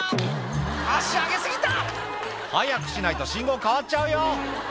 足上げ過ぎた！」早くしないと信号変わっちゃうよ